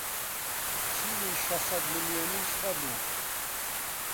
چینی شەشسەد ملیۆنیش هەبوو